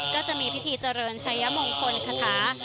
ก็จะมีพิธีเจริญชัยมงคลคาถา